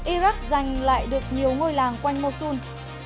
iraq giành lại được nhiều ngôi làng quanh mosul